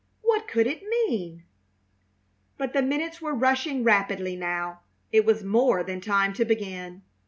What could it mean? But the minutes were rushing rapidly now. It was more than time to begin.